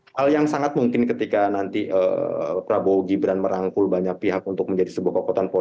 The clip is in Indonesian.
jadi ya hal yang sangat mungkin ketika nanti prabowo gibran merangkul banyak pihak untuk menjadi sebuah kekuatan politik di jokowi